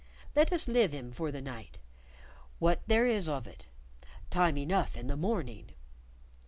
Let us live 'im for the night, what there is of it; time enough in the morning."